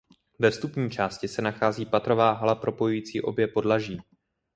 Ve vstupní části se nachází patrová hala propojující obě podlaží.